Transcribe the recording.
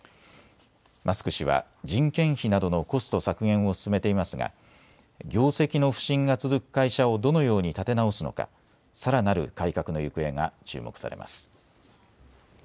マスク氏は人件費などのコスト削減を進めていますが業績の不振が続く会社をどのように立て直すのかさらなる改革の行方が注目されます。